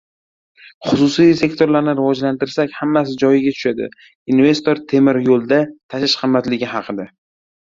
«Xususiy sektorni rivojlantirsak, hammasi joyiga tushadi» - investor temir yo‘lda tashish qimmatligi haqida